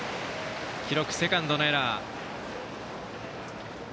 記録はセカンドのエラー。